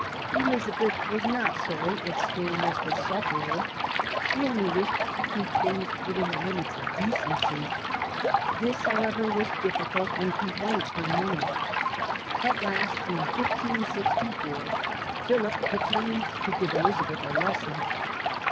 Elizabeth was not sorry if Spain was the sufferer; she only wished to keep things within the limits of decency. This, however, was difficult, and complaints were many. At last, in 1564, Philip determined to give Elizabeth a lesson.